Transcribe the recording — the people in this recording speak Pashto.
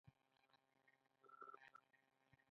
آزاد تجارت مهم دی ځکه چې روغتیا خدمات ښه کوي.